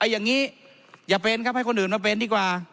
อย่างนี้อย่าเป็นครับให้คนอื่นมาเป็นดีกว่า